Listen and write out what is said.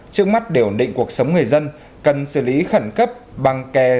trước mắt đều định cuộc sống người dân cần xử lý khẩn cấp bằng kè